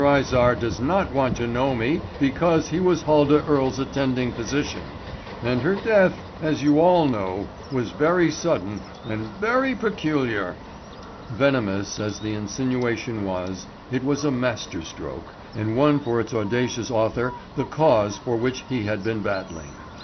Izard does not want to know me because he was Huldah Earle's attending physician, and her death, as you all know, was very sudden and very peculiar." Venomous as the insinuation was, it was a master stroke and won for its audacious author the cause for which he had been battling.